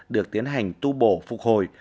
được tiến hành tu bổ phục hồi